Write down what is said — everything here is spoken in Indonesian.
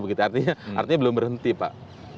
artinya belum berhenti pak